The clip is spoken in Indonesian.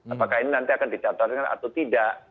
apakah ini nanti akan dicatatkan atau tidak